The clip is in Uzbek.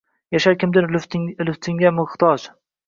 Yashar kimdir lutfingga muhtoj